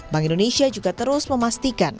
bank indonesia juga terus memastikan